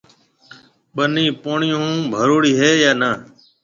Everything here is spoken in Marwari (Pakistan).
ٻنِي پوڻِي هون ڀروڙِي هيَ يان نآ